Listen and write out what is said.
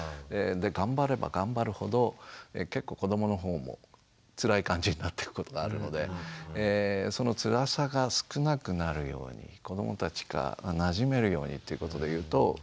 で頑張れば頑張るほど結構子どもの方もつらい感じになっていくことがあるのでそのつらさが少なくなるように子どもたちがなじめるようにということで言うと。